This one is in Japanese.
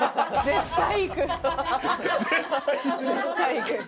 絶対行く。